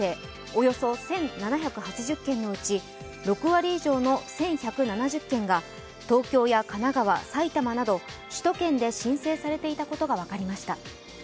およそ１７８０件のうち６割以上の１１７０件が１１７０件が東京や神奈川、埼玉など首都圏で申請されていたことが分かりました。